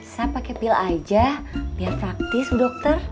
saya pakai pil aja biar praktis dokter